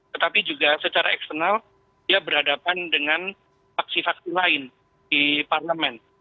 tetapi juga secara eksternal dia berhadapan dengan faksi faksi lain di parlemen